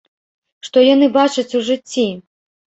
Што яны бачаць у жыцці?